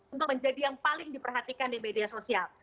untuk menjadi yang paling diperhatikan di media sosial